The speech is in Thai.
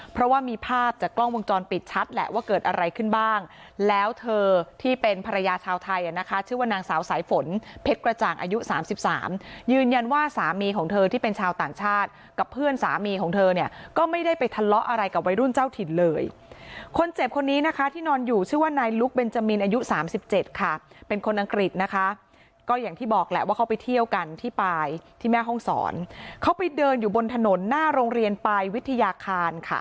เพราะว่ามีภาพจากกล้องวงจรปิดชัดแหละว่าเกิดอะไรขึ้นบ้างแล้วเธอที่เป็นภรรยาชาวไทยนะคะชื่อว่านางสาวสายฝนเพชรกระจ่างอายุ๓๓ยืนยันว่าสามีของเธอที่เป็นชาวต่างชาติกับเพื่อนสามีของเธอเนี่ยก็ไม่ได้ไปทะเลาะอะไรกับวัยรุ่นเจ้าถิ่นเลยคนเจ็บคนนี้นะคะที่นอนอยู่ชื่อว่านายลุคเบนจามินอายุ๓๗ค่ะ